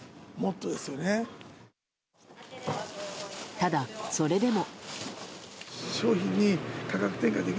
ただ、それでも。